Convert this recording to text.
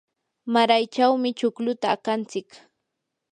maraychawmi chukluta aqantsik.